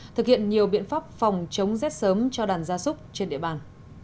thực hiện nhiều biện pháp phòng chống rét sớm cho đàn gia súc trên địa bàn